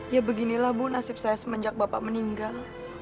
ya beginilah bu nasib saya semenjak bapak meninggal